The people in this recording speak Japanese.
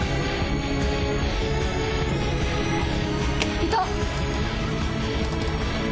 いた！